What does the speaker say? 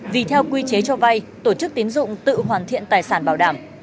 vì theo quy chế cho vay tổ chức tiến dụng tự hoàn thiện tài sản bảo đảm